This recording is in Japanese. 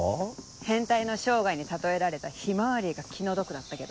変態の生涯に例えられたヒマワリが気の毒だったけどね。